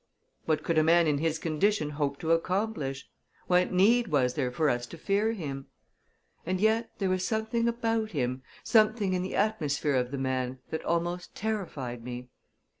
What could a man in his condition hope to accomplish? What need was there for us to fear him? And yet, there was something about him something in the atmosphere of the man that almost terrified me.